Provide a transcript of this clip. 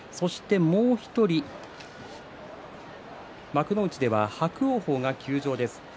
もう１人、幕内では伯桜鵬が休場です。